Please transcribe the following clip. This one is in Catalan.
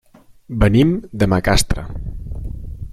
Venim de Macastre.